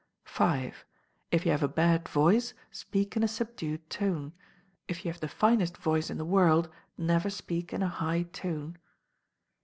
v. If you have a bad voice, speak in a subdued tone: if you have the finest voice in the world, never speak in a high tone.